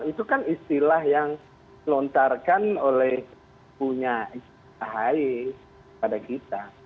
itu kan istilah yang dilontarkan oleh punya ahy pada kita